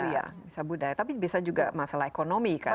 iya bisa budaya tapi bisa juga masalah ekonomi kan